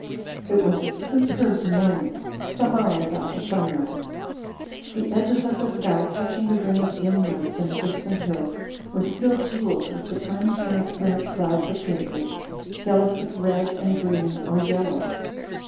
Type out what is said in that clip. It was a superb morning, some hours after sunrise. The edges of the sky touching the ring of dim woods and distant hills were still jewelled with the tiny transparent clouds of daybreak, delicate red and green or yellow.